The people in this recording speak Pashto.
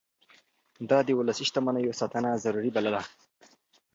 ده د ولسي شتمنيو ساتنه ضروري بلله.